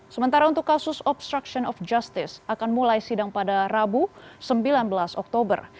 sementara untuk kasus obstruction of justice akan mulai sidang pada rabu sembilan belas oktober